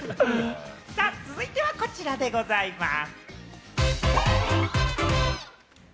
ありがとうご続いてはこちらでございます。